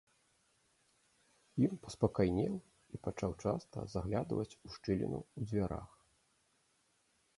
Ён паспакайнеў і пачаў часта заглядваць у шчыліну ў дзвярах.